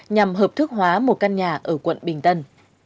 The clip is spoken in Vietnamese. nhằm hợp thức hóa một căn nhà ở quận bình tân